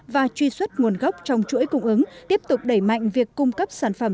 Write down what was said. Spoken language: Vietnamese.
và truy xuất nguồn gốc trong chuỗi cung ứng tiếp tục đẩy mạnh việc cung cấp sản phẩm